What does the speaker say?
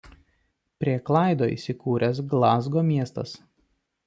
Prie Klaido įsikūręs Glazgo miestas.